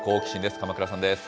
鎌倉さんです。